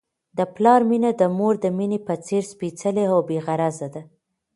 د پلار مینه د مور د مینې په څېر سپیڅلې او بې غرضه ده.